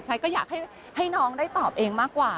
ก็อยากให้น้องได้ตอบเองมากกว่า